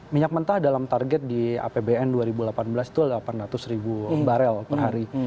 minyak mentah dalam target di apbn dua ribu delapan belas itu delapan ratus ribu barel per hari